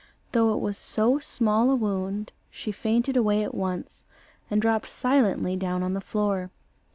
Though it was so small a wound, she fainted away at once, and dropped silently down on the floor.